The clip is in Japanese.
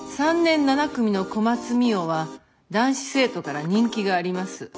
３年７組の小松澪は男子生徒から人気があります。